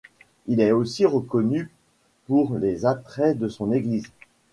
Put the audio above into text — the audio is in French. Il est aussi reconnu pour les attraits de son église.